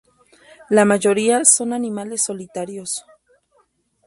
La mayoría son animales solitarios.